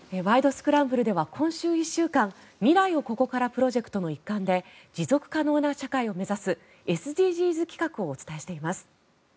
スクランブル」では今週１週間未来をここからプロジェクトの一環で持続可能な社会を目指すＳＤＧｓ企画をお伝えしています。